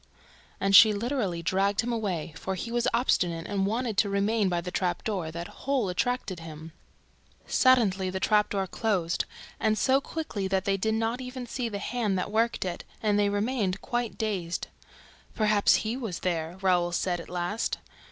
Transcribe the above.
And she literally dragged him away, for he was obstinate and wanted to remain by the trap door; that hole attracted him. Suddenly, the trap door was closed and so quickly that they did not even see the hand that worked it; and they remained quite dazed. "Perhaps HE was there," Raoul said, at last.